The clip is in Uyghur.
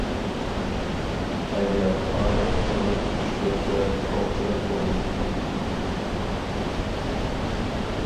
ئەگەر ئادەم تونۇر چۈش كۆرسە توقچىلىق بولۇر.